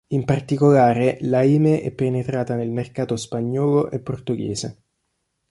In particolare La Eme è penetrata nel mercato spagnolo e portoghese.